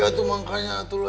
ya itu makanya